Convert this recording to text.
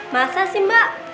masa sih mbak